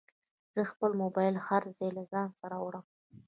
زه خپل موبایل هر ځای له ځانه سره وړم.